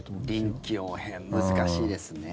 臨機応変、難しいですね。